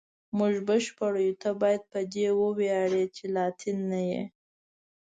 موږ بشپړ یو، ته باید په دې وویاړې چې لاتین نه یې.